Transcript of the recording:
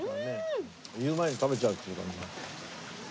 言う前に食べちゃうっていう感じ。